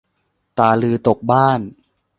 ตาลือตกบ้าน